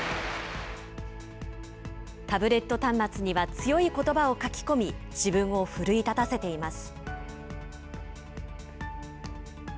タブレット端末には強いことばを書き込み、自分を奮い立たせています。